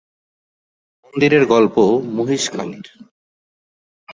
মন্দিরের গর্ব মহিষ খালি।